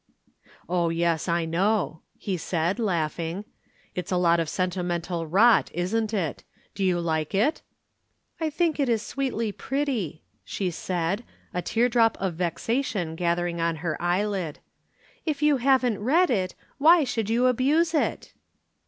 "Oh, yes, I know," he said, laughing. "It's a lot of sentimental rot, isn't it? Do you like it?" "I think it is sweetly pretty," she said, a teardrop of vexation gathering on her eyelid. "If you haven't read it, why should you abuse it?"